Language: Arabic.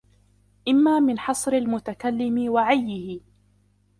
إمَّا مِنْ حَصْرِ الْمُتَكَلِّمِ وَعِيِّهِ